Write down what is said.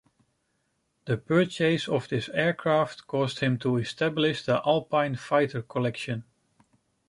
The purchase of this aircraft caused him to establish the Alpine Fighter Collection.